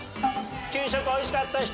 給食おいしかった人？